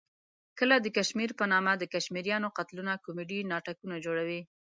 کله د کشمیر په نامه د کشمیریانو قتلونه کومیډي ناټکونه جوړوي.